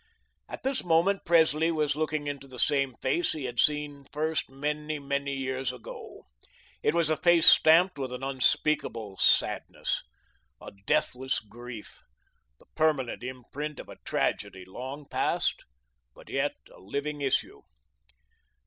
At this moment, Presley was looking into the same face he had first seen many, many years ago. It was a face stamped with an unspeakable sadness, a deathless grief, the permanent imprint of a tragedy long past, but yet a living issue.